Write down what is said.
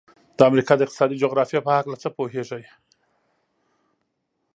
د امریکا د اقتصادي جغرافیې په هلکه څه پوهیږئ؟